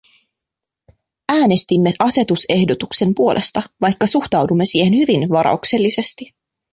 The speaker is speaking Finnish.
Äänestimme asetusehdotuksen puolesta, vaikka suhtaudumme siihen hyvin varauksellisesti.